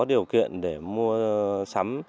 điều kiện để mua sắm